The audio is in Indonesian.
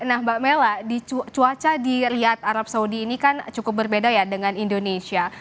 nah mbak mela cuaca di riyad arab saudi ini kan cukup berbeda ya dengan indonesia